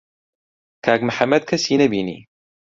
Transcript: کاک محەممەد کەسی نەبینی.